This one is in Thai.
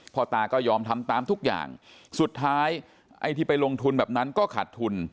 พ่อตาก็ยอมทำตามทุกอย่างสุดท้ายไอ้ที่ไปลงทุนแบบนั้นก็ขาดทุน